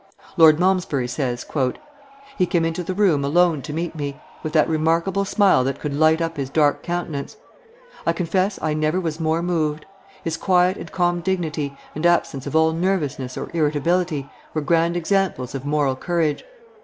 Lord Malmesbury says: "He came into the room alone to meet me, with that remarkable smile that could light up his dark countenance. I confess I never was more moved. His quiet and calm dignity, and absence of all nervousness or irritability, were grand examples of moral courage.